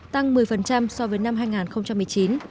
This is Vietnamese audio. tăng một mươi so với năm hai nghìn một mươi chín